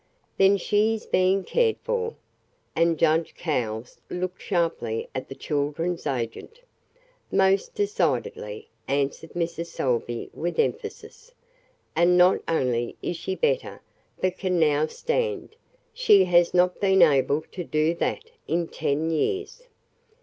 "Then she is being cared for?" and judge Cowles looked sharply at the children's agent. "Most decidedly," answered Mrs. Salvey with emphasis. "And not only is she better, but can now stand she has not been able to do that in ten years."